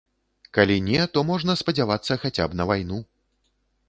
Калі не, то можна спадзявацца хаця б на вайну.